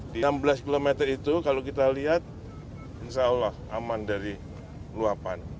di enam belas km itu kalau kita lihat insya allah aman dari luapan